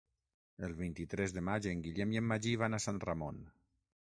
El vint-i-tres de maig en Guillem i en Magí van a Sant Ramon.